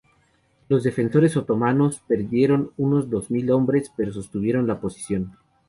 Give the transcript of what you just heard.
Los defensores otomanos perdieron unos dos mil hombres, pero sostuvieron la posición.